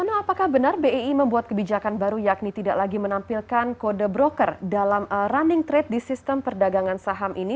no apakah benar bii membuat kebijakan baru yakni tidak lagi menampilkan kode broker dalam running trade di sistem perdagangan saham ini